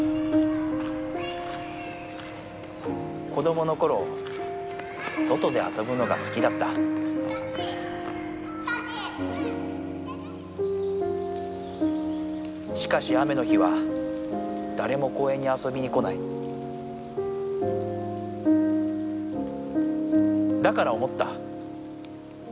子どものころ外であそぶのがすきだったしかし雨の日はだれも公園にあそびに来ないだから思った。